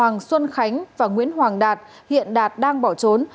nguyễn khánh và nguyễn hoàng đạt hiện đạt đang bỏ trốn